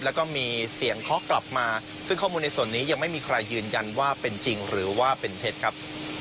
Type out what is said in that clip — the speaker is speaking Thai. แล้วก็มีเสียงเคาะกลับมาซึ่งข้อมูลในส่วนนี้ยังไม่มีใครยืนยันว่าเป็นจริงหรือว่าเป็นเท็จครับ